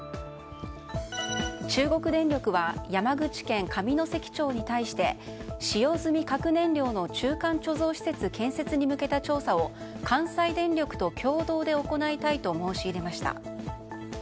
中国電力は山口県上関町に対して使用済み核燃料の中間貯蔵施設建設に向けた調査を関西電力と共同で行いたいと申し入れました。